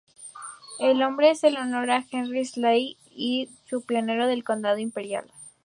El nombre es en honor a Henry Seeley, un pionero del condado de Imperial.